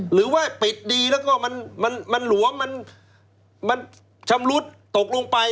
หรือว่าปิดดีแล้วก็มันหลวมมันชำรุดตกลงไป